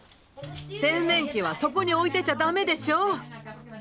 洗面器はそこに置いてちゃダメでしょう？